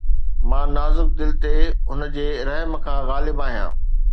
مان نازڪ دل تي هن جي رحم کان غالب آهيان